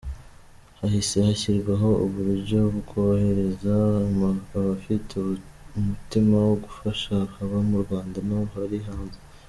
Hahise hashyirwaho uburyo bworohereza abafite umutima wo gufasha haba mu Rwanda n’abari hanze.